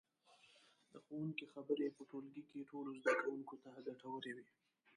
د ښوونکي خبرې په ټولګي کې ټولو زده کوونکو ته ګټورې وي.